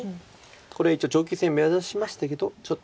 これは一応長期戦目指しましたけどちょっと。